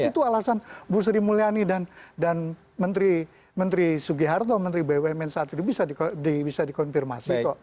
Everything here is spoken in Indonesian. itu alasan bu sri mulyani dan menteri bumn saat itu bisa dikonfirmasi